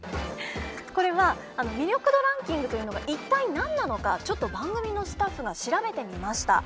これは魅力度ランキングというのが一体何なのかちょっと番組のスタッフが調べてみました。